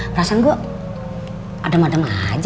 perasaan gue adem adem aja